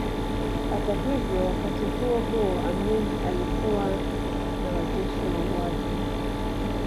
Hata hivyo wakati huo huo Amin alikuwa na wajeshi wauaji